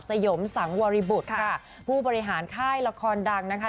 สงสมสมวริบุธค่ะผู้ปฤหาค่ายละครดังนะคะ